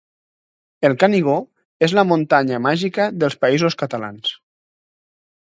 El Canigó és la muntanya màgica dels Països Catalans